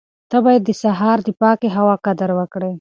ته باید د سهار د پاکې هوا قدر وکړې.